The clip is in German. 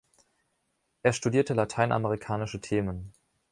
Er studierte lateinamerikanische Themen.